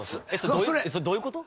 それどういうこと？